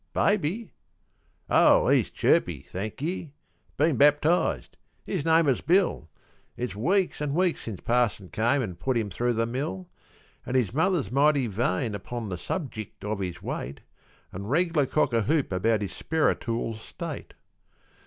Baby? Oh, he's chirpy, thank ye been baptised his name is Bill. It's weeks and weeks since parson came an' put him through the mill; An' his mother's mighty vain upon the subjick of his weight, An' reg'lar cock a hoop about his sperritual state.